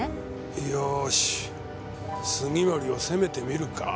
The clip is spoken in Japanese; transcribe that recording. よし杉森を攻めてみるか。